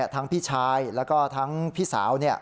พี่ชายแล้วก็ทั้งพี่สาว